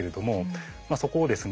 そこをですね